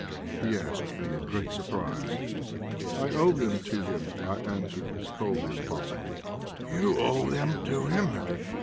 he asked me in great surprise. "I owe them to him," I answered as coldly as possible. "You owe them to him!"